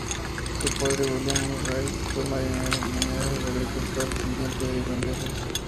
Su padre, William M. Ryan, fue marinero, minero, y agricultor descendiente de irlandeses.